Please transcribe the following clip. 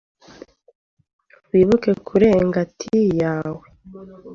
Wibuke kurenga t yawe.